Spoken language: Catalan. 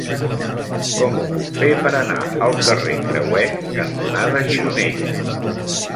Com ho puc fer per anar al carrer Crehuet cantonada Gironella?